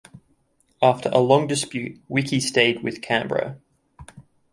After a long dispute Wiki stayed with Canberra.